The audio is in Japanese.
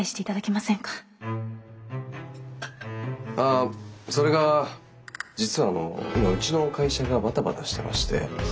あそれが実はあの今うちの会社がバタバタしてまして。